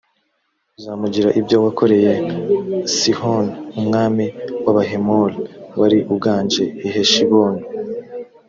uzamugirira ibyo wakoreye sihoni umwami w’abahemori wari uganje i heshiboni.